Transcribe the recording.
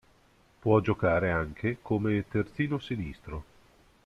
Può giocare anche come terzino sinistro.